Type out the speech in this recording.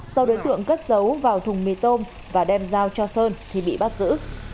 sau đối tượng cất dấu vào thùng mì tôm và đem giao cho sơn thì bị bắt giữ